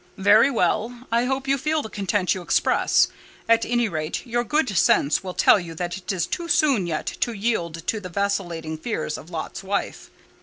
"Very well; I hope you feel the content you express: at any rate, your good sense will tell you that it is too soon yet to yield to the vacillating fears of Lot's wife.